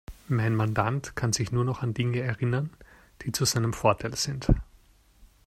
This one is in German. Mein Mandant kann sich nur noch an Dinge erinnern, die zu seinem Vorteil sind.